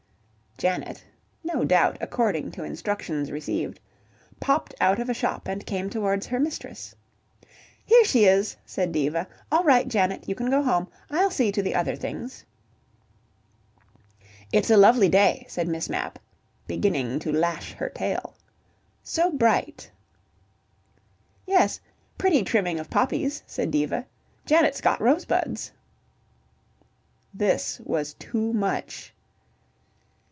Janet (no doubt according to instructions received) popped out of a shop, and came towards her mistress. "Here she is," said Diva. "All right, Janet. You can go home. I'll see to the other things." "It's a lovely day," said Miss Mapp, beginning to lash her tail. "So bright." "Yes. Pretty trimming of poppies," said Diva. "Janet's got rosebuds." This was too much.